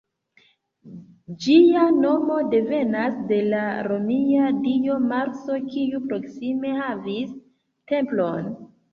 Ĝia nomo devenas de la romia dio Marso, kiu proksime havis templon.